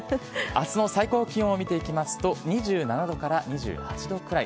あすの最高気温を見ていきますと、２７度から２８度くらい。